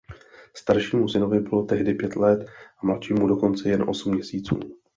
Staršímu synovi bylo tehdy pět let a mladšímu dokonce jen osm měsíců.